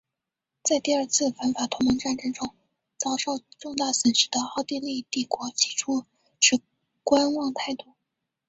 在第二次反法同盟战争中遭受重大损失的奥地利帝国起初持观望态度。